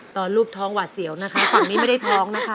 ตอนรูปท้องหวัดเสียวนะคะฝั่งนี้ไม่ได้ท้องนะคะ